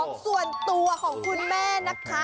ส่วนตัวของคุณแม่นะคะ